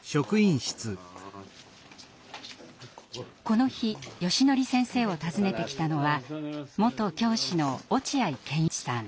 この日よしのり先生を訪ねてきたのは元教師の落合賢一さん。